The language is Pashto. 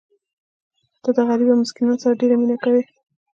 ته د غریبو او مسکینانو سره ډېره مینه کوې.